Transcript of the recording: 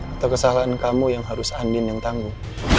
atau kesalahan kamu yang harus andin yang tangguh